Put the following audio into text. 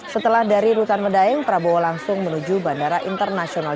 setelah dari rutan medaeng prabowo langsung menuju bandara internasional